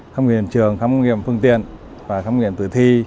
khám nghiệm hiện trường khám nghiệm phương tiện và khám nghiệm tử thi